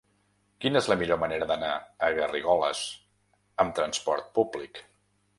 Quina és la millor manera d'anar a Garrigoles amb trasport públic?